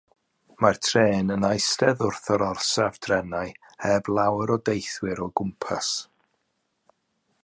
Mae'r trên yn eistedd wrth yr orsaf drenau heb lawer o deithwyr o gwmpas.